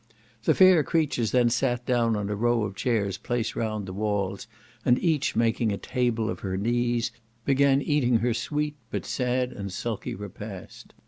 The fair creatures then sat down on a row of chairs placed round the walls, and each making a table of her knees, began eating her sweet, but sad and sulky repast.